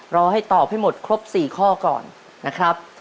รอให้ตอบให้หมดครบ๔ข้อก่อนนะครับ